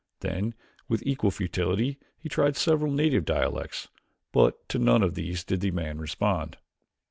Then with equal futility he tried several native dialects but to none of these did the man respond.